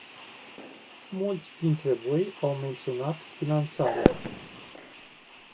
Mulți dintre voi au menționat finanțarea.